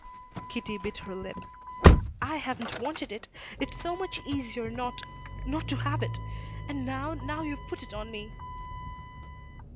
Kitty bit her lip. "I haven't wanted it. It's so much easier not not to have it. And now now you've put it on me."